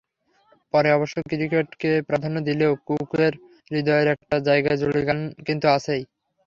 পরে অবশ্য ক্রিকেটকে প্রাধান্য দিলেও কুকের হৃদয়ের একটা জায়গাজুড়ে গানটা কিন্তু আছেই।